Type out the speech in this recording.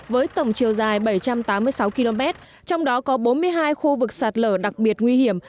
với tổng chiều dài bảy trăm tám mươi sáu km trong đó có bốn mươi hai khu vực sạt lở đặc biệt nguy hiểm